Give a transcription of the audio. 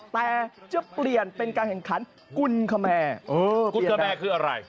แต่จะเปลี่ยนเป็นการแข่งขันกุลคแมร์กุลคแมร์คืออะไร